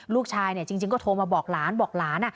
ลูกชายจริงก็โทรมาบอกหลานบอกหลาน